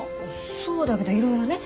そうだけどいろいろね。